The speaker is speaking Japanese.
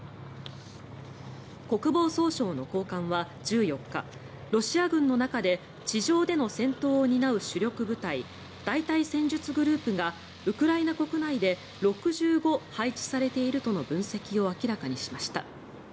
国防総省の高官は１４日ロシア軍の中で地上での戦闘を担う主力部隊大隊戦術グループがウクライナ国内で６５配置されているとの分析を明らかにしました。